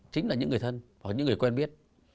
chính là những người thân hoặc những người quen biết